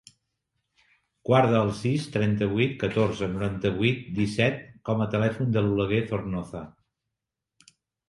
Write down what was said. Guarda el sis, trenta-vuit, catorze, noranta-vuit, disset com a telèfon de l'Oleguer Zornoza.